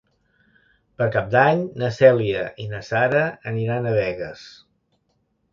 Per Cap d'Any na Cèlia i na Sara aniran a Begues.